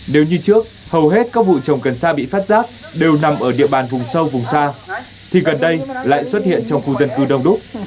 nếu như trước hầu hết các vụ trồng cần sa bị phát giác đều nằm ở địa bàn vùng sâu vùng xa thì gần đây lại xuất hiện trong khu dân cư đông đúc